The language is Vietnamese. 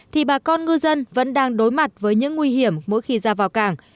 thì bà con ngư dân vẫn đang đối mặt với những nguy hiểm mỗi khi ra vào cảng